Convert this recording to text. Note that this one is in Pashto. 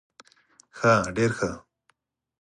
ښه ډير ښه